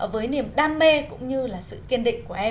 với niềm đam mê cũng như là sự kiên định của em